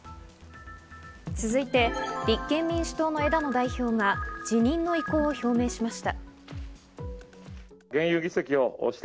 続いて立憲民主党の枝野代表が辞任の意向を表明しました。